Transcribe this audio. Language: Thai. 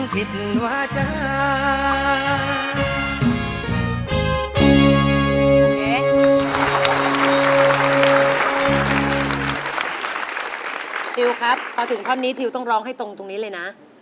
ทิวครับพอถึงท่อนนี้ทิวต้องร้องให้ตรงตรงนี้เลยนะ